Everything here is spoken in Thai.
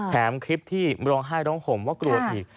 คลิปที่ร้องไห้ร้องห่มว่ากลัวอีก